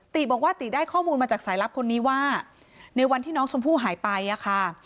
ติบอกว่าติได้ข้อมูลมาจากสายลับคนนี้ว่าในวันที่น้องชมพู่หายไปอะค่ะ